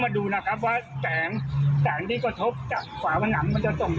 ดูนะครับว่าแสงแสงที่กระทบจากฝาผนังมันจะส่ง